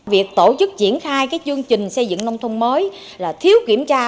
việc tổ chức triển khai chương trình xây dựng nông thôn mới là thiếu kiểm tra